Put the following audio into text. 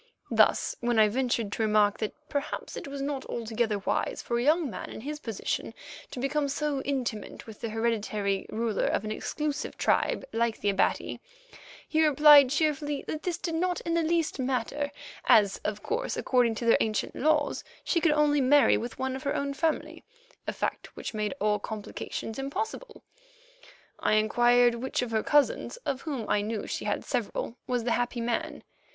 Thus when I ventured to remark that perhaps it was not altogether wise for a young man in his position to become so intimate with the hereditary ruler of an exclusive tribe like the Abati, he replied cheerfully that this did not in the least matter, as, of course, according to their ancient laws, she could only marry with one of her own family, a fact which made all complications impossible. I inquired which of her cousins, of whom I knew she had several, was the happy man.